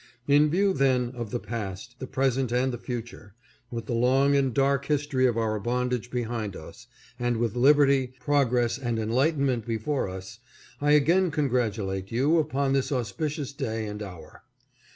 In view, then, of the past, the present, and the future, with the long and dark history of our bondage behind us, and with liberty, progress, and enlightenment before us, I again congratulate you upon this auspicious day and hour.